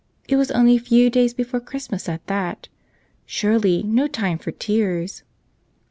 It was 4 only a few days before Christmas at that. ■ Surely, no time for tears.